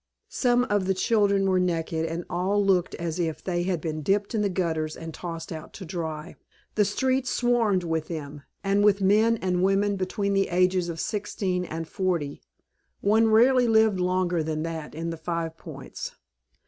Some of the children were naked and all looked as if they had been dipped in the gutters and tossed out to dry. The streets swarmed with them; and with men and women between the ages of sixteen and forty. One rarely lived longer than that in the Five Points.